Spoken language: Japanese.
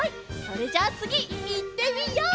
それじゃあつぎいってみよう！